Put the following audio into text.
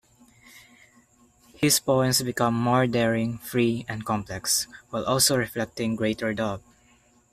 His poems become more daring, free, and complex, while also reflecting greater doubt.